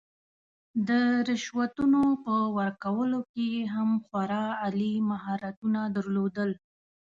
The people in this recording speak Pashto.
د رشوتونو په ورکولو کې یې هم خورا عالي مهارتونه درلودل.